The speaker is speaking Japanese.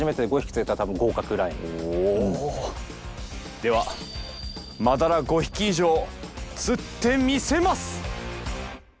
ではマダラ５匹以上釣ってみせます！